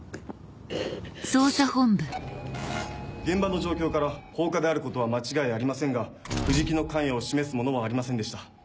現場の状況から放火であることは間違いありませんが藤木の関与を示すものはありませんでした。